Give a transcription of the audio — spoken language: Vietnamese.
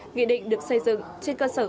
nghị định được xây dựng trên cơ sở